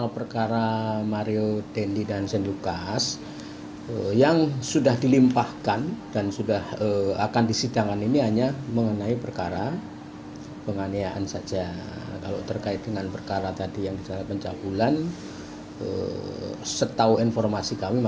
pihak pengadilan ini direncanakan digelar pada selasa hari ini